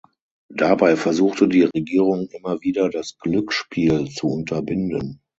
Dabei versuchte die Regierung immer wieder, das Glücksspiel zu unterbinden.